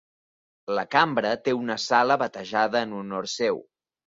La Cambra te una sala batejada en honor seu.